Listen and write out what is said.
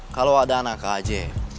kalau ada anaknya aja